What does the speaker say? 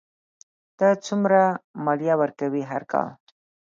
ته څومره مالیه ورکوې هر کال؟